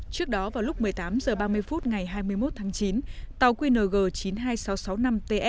trước đó vào lúc một mươi tám h ba mươi phút ngày hai mươi một tháng chín tàu qng chín mươi hai nghìn sáu trăm sáu mươi năm ts